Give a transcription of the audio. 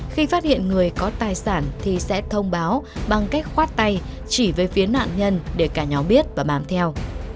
khi phát hiện người có tài sản thì sẽ thông báo bằng cách khoát tay chỉ với phía nạn nhân để cả nhóm biết và bám theo